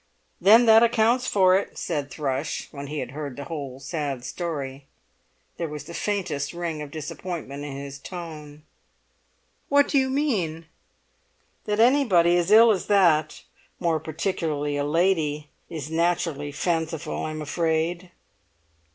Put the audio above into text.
"Then that accounts for it," said Thrush, when he had heard the whole sad story. There was the faintest ring of disappointment in his tone. "What do you mean?" "That anybody as ill as that, more particularly a lady, is naturally fanciful, I'm afraid."